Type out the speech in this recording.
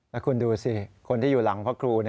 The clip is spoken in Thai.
แล้วคุณดูสิคนที่อยู่หลังพระครู